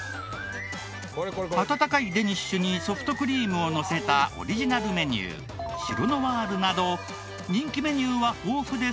温かいデニッシュにソフトクリームをのせたオリジナルメニューシロノワールなど人気メニューは豊富ですが。